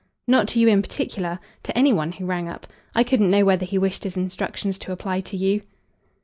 "Not to you in particular. To any one who rang up. I couldn't know whether he wished his instructions to apply to you."